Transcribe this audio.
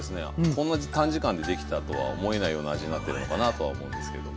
こんな短時間でできたとは思えないような味になってるのかなとは思うんですけど。